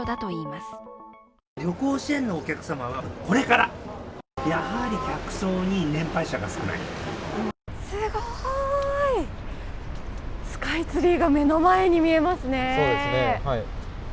すごーい、スカイツリーが目の前に見えますね。